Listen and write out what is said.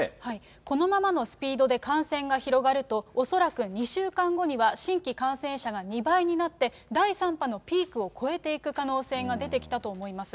このままのスピードで感染が広がると、恐らく２週間後には、新規感染者が２倍になって、第３波のピークを超えていく可能性が出てきたと思います。